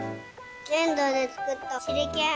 ねんどでつくったしゅりけん。